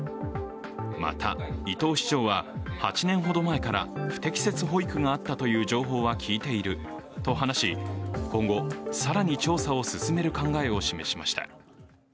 また、伊藤市長は８年ほど前から不適切保育があったという情報は聞いていると話し、今後更に調査を進める考えを示しました。